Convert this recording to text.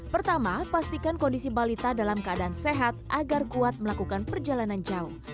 pertama pastikan kondisi balita dalam keadaan sehat agar kuat melakukan perjalanan jauh